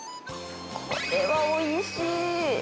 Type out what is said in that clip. これはおいしい。